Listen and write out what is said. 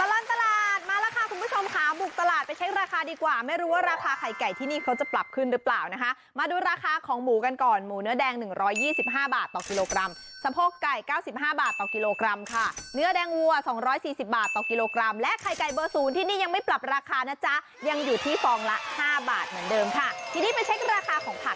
ตลอดตลาดมาละค่ะคุณผู้ชมค่ะบุกตลาดไปเช็คราคาดีกว่าไม่รู้ว่าราคาไข่ไก่ที่นี่เขาจะปรับขึ้นหรือเปล่านะคะมาดูราคาของหมูกันก่อนหมูเนื้อแดง๑๒๕บาทต่อกิโลกรัมสะโพกไก่๙๕บาทต่อกิโลกรัมค่ะเนื้อแดงวัว๒๔๐บาทต่อกิโลกรัมและไข่ไก่เบอร์ศูนย์ที่นี่ยังไม่ปรับราคานะจ๊ะยัง